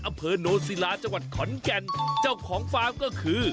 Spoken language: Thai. อำเภอโนนศิลาจังหวัดขอนแก่นเจ้าของฟาร์มก็คือ